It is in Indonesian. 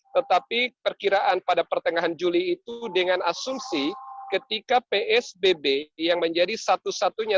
tetapi perkiraan pada pertengahan juli itu dengan asumsi ketika psbb yang menjadi satu satunya